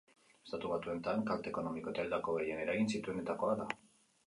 Estatu Batuetan kalte ekonomiko eta hildako gehien eragin zituenetakoa da.